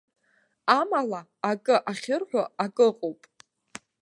Амала, акы ахьырҳәо акы ыҟоуп.